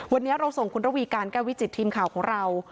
วันนี้เราส่งคุณระวีการแก้ววิจิตทีมข่าวของเรา